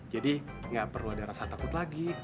jadi nggak perlu ada rasa takut lagi